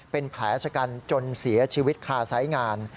เป็นแผลชะกันจนเสียชีวิตคาไซส์งาน